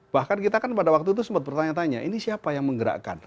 bahkan kita kan pada waktu itu sempat bertanya tanya ini siapa yang menggerakkan